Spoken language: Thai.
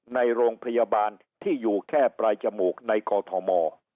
ในโรงพยาบาลที่อยู่แค่ปลายจมูกในกอทม